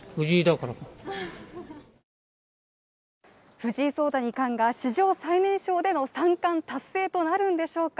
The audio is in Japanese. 藤井聡太二冠が史上最年少での三冠達成となるんでしょうか。